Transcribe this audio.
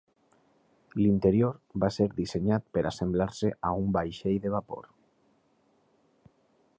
L'interior va ser dissenyat per assemblar-se a un vaixell de vapor.